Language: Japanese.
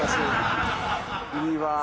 いいわぁ。